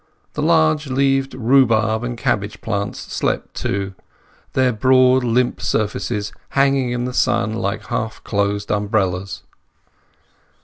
The large leaved rhubarb and cabbage plants slept too, their broad limp surfaces hanging in the sun like half closed umbrellas.